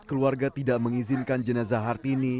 keluarga tidak mengizinkan jenazah hartini